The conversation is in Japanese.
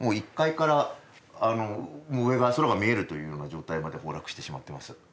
１階から上が空が見えるというような状態まで崩落してしまってます。